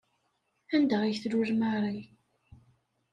Anda ay tlul Marie?